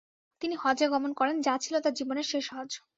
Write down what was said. তিনি হজ্জে গমন করেন, যা ছিল তার জীবনের শেষ হজ্জ।